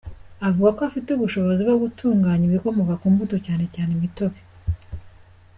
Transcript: Avuga ko afite umushinga wo gutunganya ibikomoka ku mbuto, cyane cyane imitobe.